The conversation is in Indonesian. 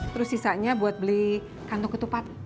terus sisanya buat beli kantong ketupat